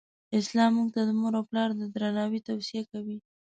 اسلام مونږ ته د مور او پلار د درناوې توصیه کوی.